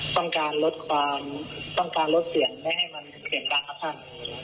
ต้องการลดเสียงไม่ให้มันเปลี่ยนต่างกับท่าน